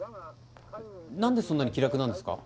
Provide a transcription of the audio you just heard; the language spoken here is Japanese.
なんでそんなに気楽なんですか？